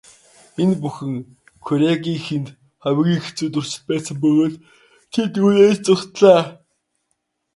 Энэ бүхэн Кюрегийнхэнд хамгийн хэцүү туршилт байсан бөгөөд тэд үүнээс зугтлаа.